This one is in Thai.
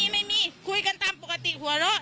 ไม่มีคุยกันตามปกติหัวเราะ